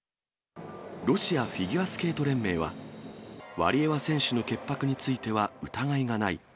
ロシアフィギュアスケート連盟は、ワリエワ選手の潔白については、疑いがない。